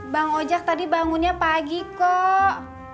bang ojek tadi bangunnya pagi kok